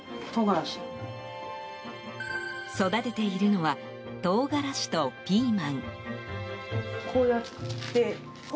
育てているのは唐辛子とピーマン。